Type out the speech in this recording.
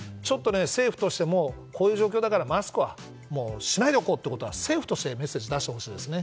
政府としてもこういう状況だからマスクをしないでおこうと政府としてメッセージを出してほしいですね。